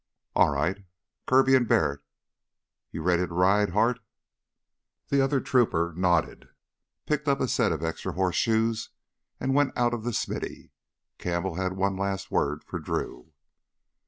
"All right, Kirby and Barrett. You ready to ride, Hart?" The other trooper nodded, picked up a set of extra horseshoes, and went out of the smithy. Campbell had one last word for Drew.